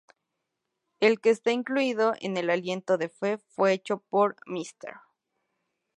El que está incluido en Aliento de Fe fue hecho por Mr.